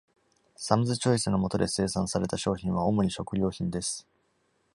Sam's Choice の下で生産された商品は、主に食料品です。